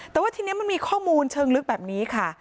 แต่ว่าทีนี้มันมีข้อมูลเชิงลึกแบบนี้ค่ะ